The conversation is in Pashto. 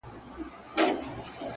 په دغسي شېبو كي عام اوخاص اړوي سـترگي!!